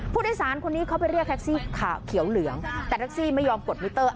ผู้โดยสารคนนี้เขาไปเรียกแท็กซี่เขียวเหลืองแต่แท็กซี่ไม่ยอมกดมิเตอร์